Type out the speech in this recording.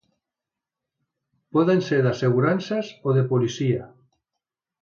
Poden ser d'assegurances o de policia.